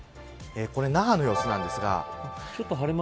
これ、那覇の様子なんですが。